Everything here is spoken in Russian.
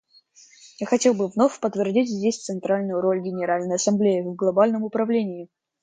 Я хотел бы вновь подтвердить здесь центральную роль Генеральной Ассамблеи в глобальном управлении.